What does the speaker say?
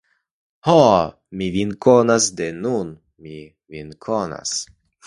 Ho, mi vin konas, de nun mi vin konas!